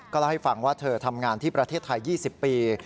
เล่าให้ฟังว่าเธอทำงานที่ประเทศไทย๒๐ปี